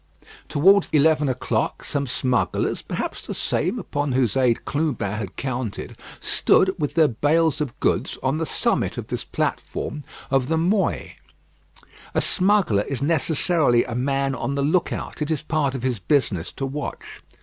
Towards eleven o'clock, some smugglers perhaps the same upon whose aid Clubin had counted stood with their bales of goods on the summit of this platform of the Moie. A smuggler is necessarily a man on the look out, it is part of his business to watch.